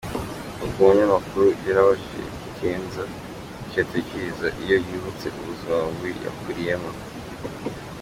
Ubwo umunyamakuru yarabajije Eddy Kenzo icyo atekereza iyo yibutse ubuzima bubi yakureyemo.